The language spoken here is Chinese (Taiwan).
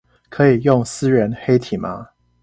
可以用思源黑體嗎